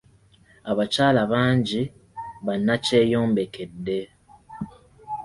Abakyala bangi bannakyeyombekedde.